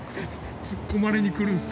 ツッコまれに来るんですか。